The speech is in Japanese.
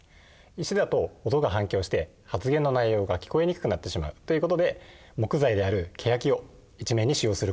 石だと音が反響して発言の内容が聞こえにくくなってしまうということで木材であるケヤキを一面に使用することになりました。